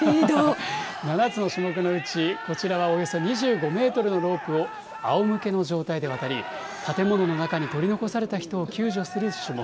７つの種目のうち、こちらはおよそ２５メートルのロープをあおむけの状態で渡り、建物の中に取り残された人を救助する種目。